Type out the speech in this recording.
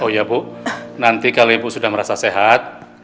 oh ya bu nanti kalau ibu sudah merasa sehat